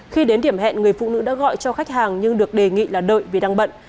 khi đến điểm hẹn người phụ nữ đã gọi cho khách hàng nhưng được đề nghị là đợi vì đang bận